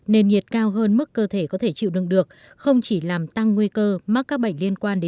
nền nhiệt cao hơn mức cơ thể có thể chịu đựng được không chỉ làm tăng nguy cơ mắc các bệnh liên quan đến